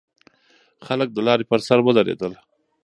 خلک د لارې پر سر ودرېدل.